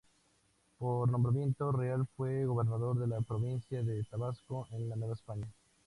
Por nombramiento real fue gobernador de la provincia de Tabasco en la Nueva España.